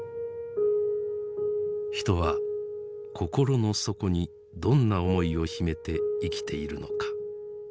人は心の底にどんな思いを秘めて生きているのか。